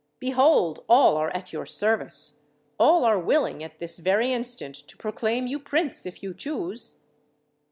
Behold, all are at your service. All are willing, at this very instant, to proclaim you prince, if you choose."